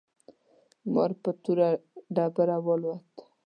مار پر توره ډبره والوت.